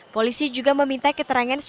polisi juga meminta keterangan